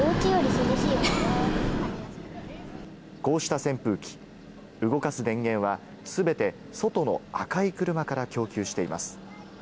こうした扇風機、動かす電源は全て外の赤い車から供給しています。